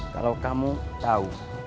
kalau kamu tahu